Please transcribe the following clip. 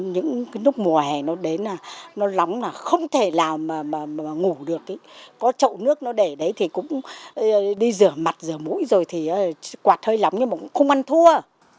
những lúc mùa hè nó đến là nóng là không thể nào mà ngủ được có trậu nước nó để đấy thì cũng đi rửa mặt rửa mũi rồi thì quạt hơi lóng nhưng mà cũng không ăn thua